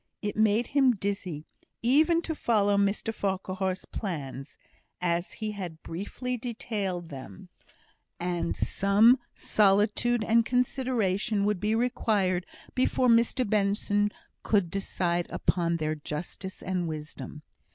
It made him dizzy even to follow Mr Farquhar's plans, as he had briefly detailed them; and some solitude and consideration would be required before Mr Benson could decide upon their justice and wisdom.